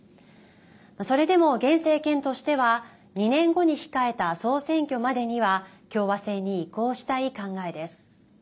それでも、現政権としては２年後に控えた総選挙までには共和制に移行したい考えです。